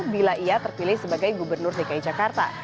bila ia terpilih sebagai gubernur dki jakarta